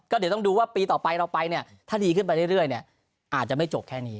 เดี๋ยวต้องดูว่าปีต่อไปเราไปเนี่ยถ้าดีขึ้นไปเรื่อยเนี่ยอาจจะไม่จบแค่นี้